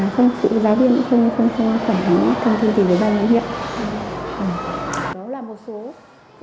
phụ giáo viên cũng không có thông tin về ba nội nghiệp